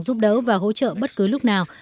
giúp đỡ và hỗ trợ bất cứ lúc nào